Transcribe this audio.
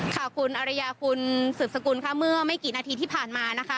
ค่ะคุณอริยาคุณสืบสกุลค่ะเมื่อไม่กี่นาทีที่ผ่านมานะคะ